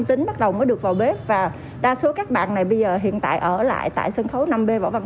tính bắt đầu mới được vào bếp và đa số các bạn này bây giờ hiện tại ở lại tại sân khấu năm b võ văn